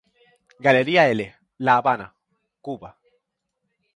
Galería L, La Habana, Cuba.